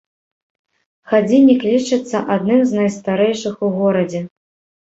Гадзіннік лічыцца адным з найстарэйшых у горадзе.